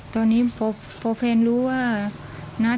ตอนนี้พอเพลินรู้ว่าน้าเสียชีวิตเพลินก็เสียใจมากค่ะ